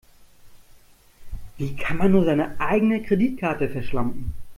Wie kann man nur seine eigene Kreditkarte verschlampen?